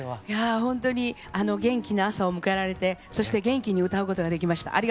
いやあほんとに元気な朝を迎えられてそして元気に歌うことができました。